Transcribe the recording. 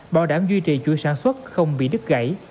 bảo đảm duy trì chuỗi sản xuất không bị đứt gãy